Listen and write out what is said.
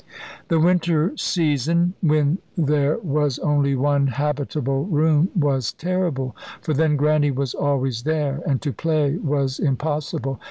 The winter season, when there was only one habitable room, was terrible; for then Grannie was always there, and to play was impossible.